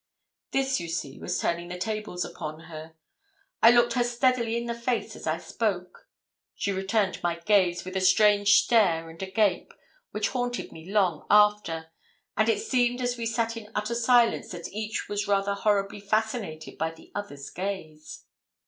This, you see, was turning the tables upon her. I looked her steadily in the face as I spoke. She returned my gaze with a strange stare and a gape, which haunted me long after; and it seemed as we sat in utter silence that each was rather horribly fascinated by the other's gaze.